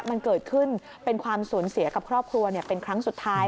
มันเกิดขึ้นเป็นความสูญเสียกับครอบครัวเป็นครั้งสุดท้าย